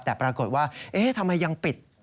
แต่ปรากฏว่าเอ๊ะทำไมยังปิด